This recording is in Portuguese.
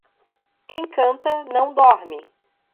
Quem canta não dorme